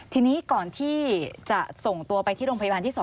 ทีนี้ก่อนที่จะส่งตัวไปที่โรงพยาบาลที่๒